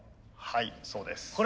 はいそうです。